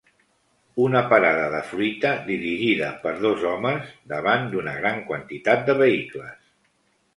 Una parada de fruita dirigida per dos home davant d'una gran quantitat de vehicles.